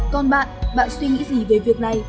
còn bạn bạn suy nghĩ gì về việc này